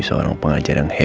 sehingga nyamen masuk temanokol